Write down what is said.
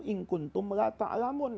ing kuntum la ta'lamun